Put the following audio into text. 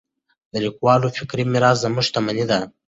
د لیکوالو فکري میراث زموږ شتمني ده.